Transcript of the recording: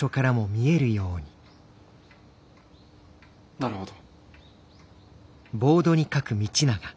なるほど。